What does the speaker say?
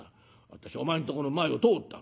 私お前んとこの前を通った。